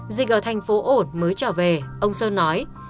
dịch ở thành phố ổn mới trở về ông sơn nói